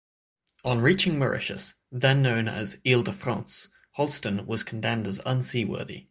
On reaching Mauritius (then known as Isle de France) "Holsten" was condemned as unseaworthy.